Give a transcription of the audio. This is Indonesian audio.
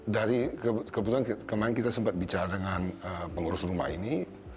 dari kebetulan kemarin kita sempat bicara dengan pengurus rumah ini